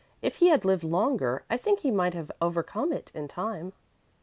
If he had lived longer I think he might have overcome it in time."